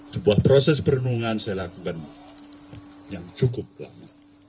sebuah proses perenungan saya lakukan yang cukup lama